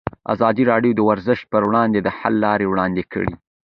ازادي راډیو د ورزش پر وړاندې د حل لارې وړاندې کړي.